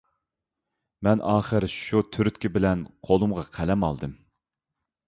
مەن ئاخىر شۇ تۈرتكە بىلەن قولۇمغا قەلەم ئالدىم.